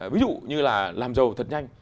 ví dụ như là làm giàu thật nhanh